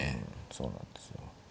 そうなんですよ。